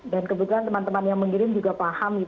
dan kebetulan teman teman yang mengirim juga paham